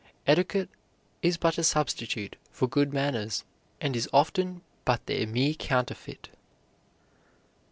Etiquette is but a substitute for good manners and is often but their mere counterfeit.